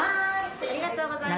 ありがとうございます。